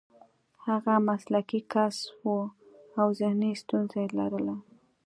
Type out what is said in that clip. هغه مسلکي کس و او ذهني ستونزه یې لرله